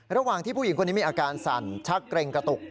ระหว่างที่ผู้หญิงมีอาการสันเช่นทรักกลริงกระตุก